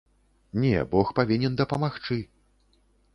Не, бог павінен дапамагчы.